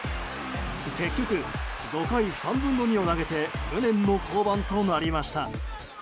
結局、５回３分の２を投げて無念の降板となりました。